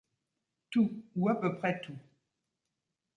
Tout, ou à peu près tout.